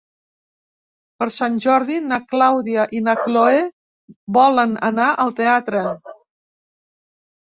Per Sant Jordi na Clàudia i na Cloè volen anar al teatre.